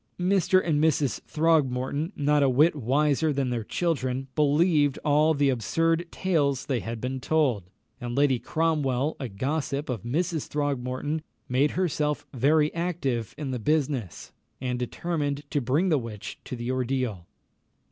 Mr. and Mrs. Throgmorton, not a whit wiser than their children, believed all the absurd tales they had been told; and Lady Cromwell, a gossip of Mrs. Throgmorton, made herself very active in the business, and determined to bring the witch to the ordeal.